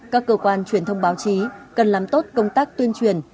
các cơ quan truyền thông báo chí cần làm tốt công tác tuyên truyền